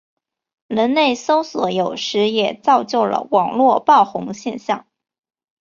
人肉搜索有时也造就了网路爆红现象。